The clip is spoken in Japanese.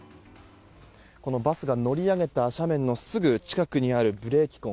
このバスが乗り上げた斜面のすぐ近くにあるブレーキ痕。